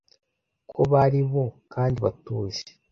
ko bari bo kandi batuje